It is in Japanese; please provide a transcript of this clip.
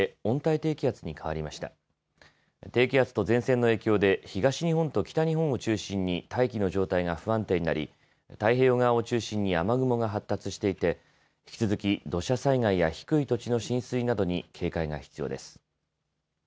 低気圧と前線の影響で東日本と北日本を中心に大気の状態が不安定になり太平洋側を中心に雨雲が発達していて引き続き土砂災害や低い土地の浸水などに警戒が必要です。